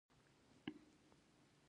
ایا ستاسو تعبیر به نیک وي؟